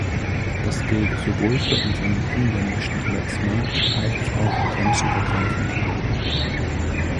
Das gilt sowohl für unseren inländischen Arbeitsmarkt als auch grenzübergreifend.